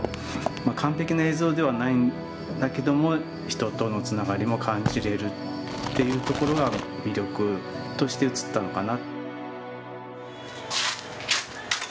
完璧な映像ではないんだけども人とのつながりも感じれるっていうところが魅力として映ったのかな。